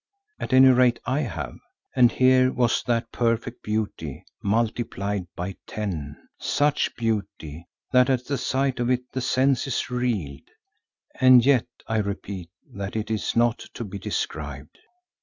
At any rate I have, and here was that perfect beauty multiplied by ten, such beauty, that at the sight of it the senses reeled. And yet I repeat that it is not to be described.